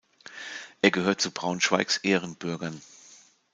Er gehört zu Braunschweigs Ehrenbürgern.